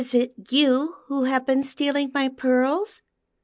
it you who have been stealing my pearls